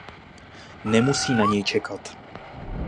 Nemusí na něj čekat.